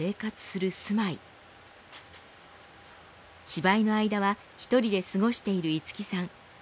芝居の間は一人で過ごしている樹さん。